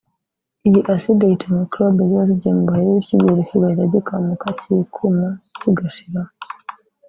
iyi acide yica mikorobe ziba zagiye mu biheri bityo igiheri kigahita gikamuka kikuma kigashiraho